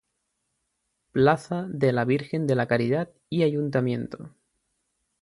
Plaza de la Virgen de la Caridad y Ayuntamiento.